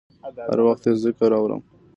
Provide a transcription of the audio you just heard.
هر وخت یې ذکر اورم